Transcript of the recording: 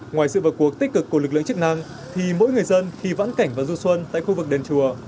ngoài sự vào cuộc tích cực của lực lượng chức năng thì mỗi người dân khi vãn cảnh vào du xuân tại khu vực đền chùa